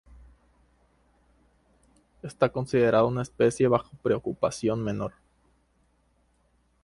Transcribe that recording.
Esta considerada una especie bajo preocupación menor.